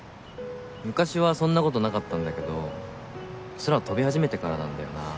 昔はそんな事なかったんだけど空飛び始めてからなんだよな